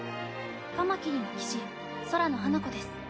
カマキリの騎士宙野花子です。